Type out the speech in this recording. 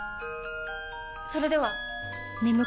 それでは！